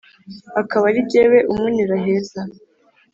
Akaba ari jyewe umunyura heza!